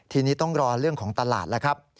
ทีนี้ต้องรอเรื่องของตลาดแล้วครับ